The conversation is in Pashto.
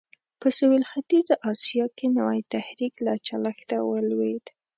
په سوېل ختیځه اسیا کې نوی تحرک له چلښته ولوېد.